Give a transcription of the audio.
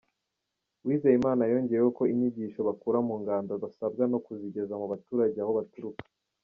Uweziyamana yongeyeho ko inyigisho bakura mu ngando basabwa no kuzigeza mu baturage aho baturuka.